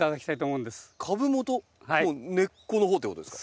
根っこのほうってことですか？